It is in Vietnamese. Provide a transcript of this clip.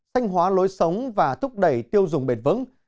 thanh hóa lối sống và thúc đẩy tiêu dùng bền vững